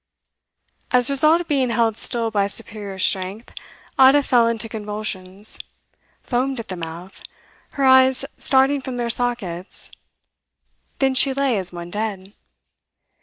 As a result of being held still by superior strength Ada fell into convulsions, foamed at the mouth, her eyes starting from their sockets; then she lay as one dead.